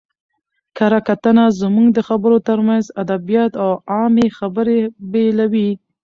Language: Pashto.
کره کتنه زموږ د خبرو ترمنځ ادبیات او عامي خبري بېلوي.